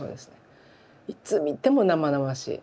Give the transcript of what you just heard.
いつ見ても生々しい。